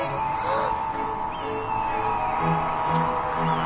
ああ！